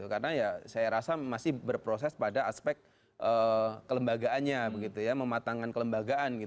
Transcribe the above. karena ya saya rasa masih berproses pada aspek kelembagaannya mematangkan kelembagaan